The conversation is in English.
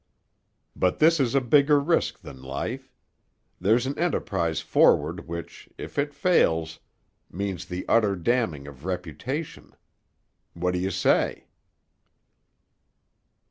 "But this is a bigger risk than life. There's an enterprise forward which, if it fails, means the utter damning of reputation. What do you say?"